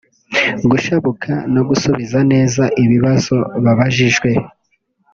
gushabuka no gusubiza neza ibibazo babajijwe